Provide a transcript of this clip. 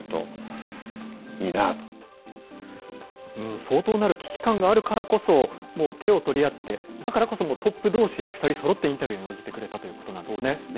相当なる危機感があるからこそもう手を取り合って、だからこそ、トップどうし、再びそろってインタビューに応じてくれたといそうですね。